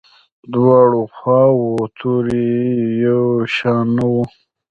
دواړو خواوو توري یو شان نه وو.